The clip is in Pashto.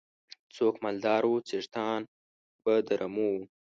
څوک مالدار وو څښتنان به د رمو وو.